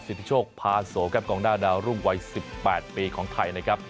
สิทธิโชคพาโสครับกองหน้าดาวรุ่งวัย๑๘ปีของไทยนะครับ